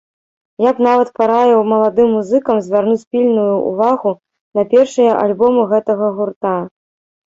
Я б нават параіў маладым музыкам звярнуць пільную ўвагу на першыя альбомы гэтага гурта.